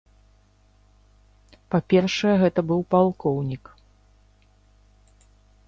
Па-першае, гэта быў палкоўнік.